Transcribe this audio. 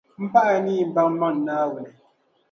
M paɣiya ni yi baŋ man’ Naawuni.